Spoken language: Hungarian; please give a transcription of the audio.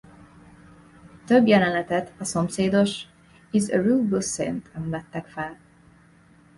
Több jelenetet a szomszédos is a Rue Bossuet-en vettek fel.